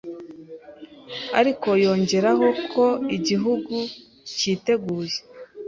ariko yongeraho ko igihugu cyiteguye